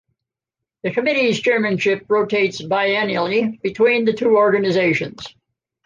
The committees's chairmanship rotates biennially between the two organizations.